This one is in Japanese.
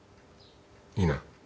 いいな。